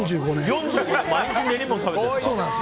毎日練り物食べてるんですか。